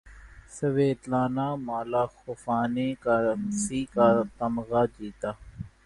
Svetlana مالاخوفا نے کانسی کا تمغہ جیتا